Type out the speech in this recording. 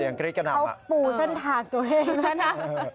รินเขาปูสั้นทางแม่งน้ำ